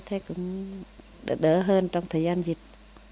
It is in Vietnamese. thế cũng đỡ hơn trong thời gian dịch